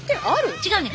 違うねん。